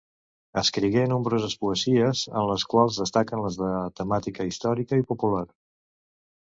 Escrigué nombroses poesies, entre les quals destaquen les de temàtica històrica i popular.